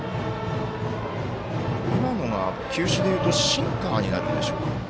今のが球種でいうとシンカーになるんでしょうか。